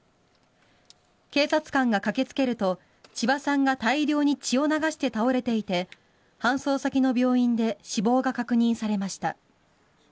警察官が駆けつけると千葉さんが大量に血を流して倒れていて搬送先の病院で死亡が確認されました。